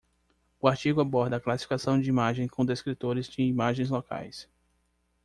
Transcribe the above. O artigo aborda a classificação de imagens com descritores de imagens locais.